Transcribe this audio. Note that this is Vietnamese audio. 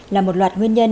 là một loạt nguyên nhân